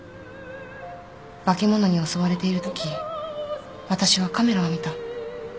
化け物に襲われているとき私はカメラを見た。